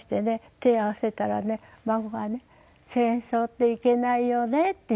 手を合わせたらね孫がね「戦争っていけないよね」って言いましたの。